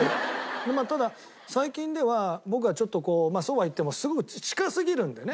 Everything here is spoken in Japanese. ただ最近では僕はちょっとこうそうは言ってもすごい近すぎるんだよね。